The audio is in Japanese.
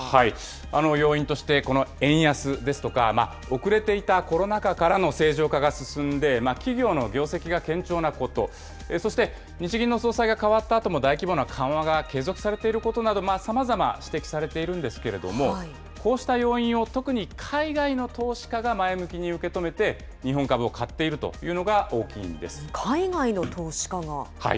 要因として、円安ですとか、遅れていたコロナ禍からの正常化が進んで、企業の業績が堅調なこと、そして日銀の総裁が代わったあとも大規模な緩和が継続されていることなど、さまざま指摘されているんですけれども、こうした要因を特に海外の投資家が前向きに受け止めて、日本株を買っていると海外の投資家が？